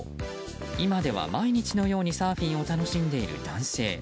今では毎日のようにサーフィンを楽しんでいる男性。